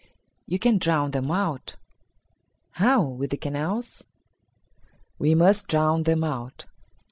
"You can drown them out." "How? With the canals?" We Must Drown Them Out.